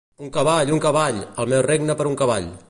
Un cavall, un cavall! El meu regne per un cavall!